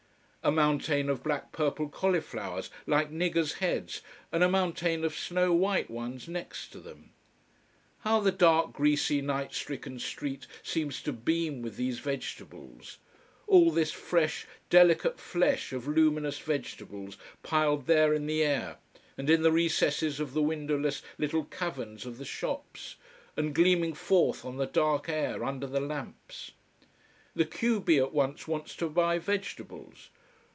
A mountain of black purple cauliflowers, like niggers' heads, and a mountain of snow white ones next to them. How the dark, greasy, night stricken street seems to beam with these vegetables, all this fresh delicate flesh of luminous vegetables piled there in the air, and in the recesses of the windowless little caverns of the shops, and gleaming forth on the dark air, under the lamps. The q b at once wants to buy vegetables.